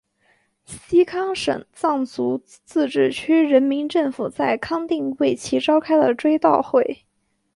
西康省藏族自治区人民政府在康定为其召开了追悼会。